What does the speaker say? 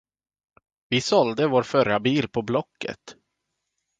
Vi sålde vår förra bil på Blocket.